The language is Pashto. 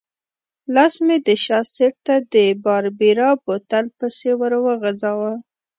لاس مې د شا سېټ ته د باربرا بوتل پسې ورو غځاوه.